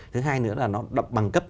thứ hai nữa là nó đọc bằng cấp